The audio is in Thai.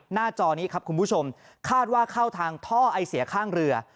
จอนี้ครับคุณผู้ชมคาดว่าเข้าทางท่อไอเสียข้างเรือ